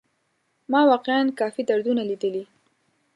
ما واقيعا کافي دردونه ليدلي.